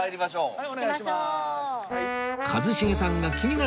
はい。